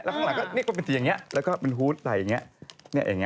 แล้วข้างหลังก็นี่ก็เป็นสีอย่างนี้แล้วก็เป็นฮูตใส่อย่างนี้เนี่ยอย่างนี้